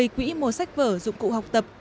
quỹ mô sách vở dụng cụ học tập